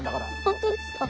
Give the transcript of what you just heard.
本当ですか？